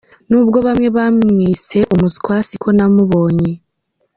Ni ubwo bamwe bamwise "Umuswa", siko namubonye.